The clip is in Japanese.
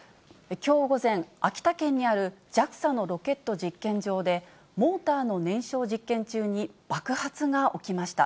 きょう午前、秋田県にあるＪＡＸＡのロケット実験場で、モーターの燃焼実験中に爆発が起きました。